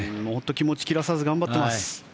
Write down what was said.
気持ち切らさず頑張っています。